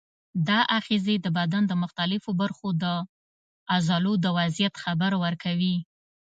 دا آخذې د بدن د مختلفو برخو د عضلو د وضعیت خبر ورکوي.